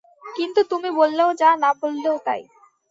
কিন্তু তুমি বললেও যা, না বললেও তাই।